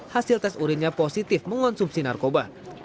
hasil tes urinnya positif mengonsumsi narkoba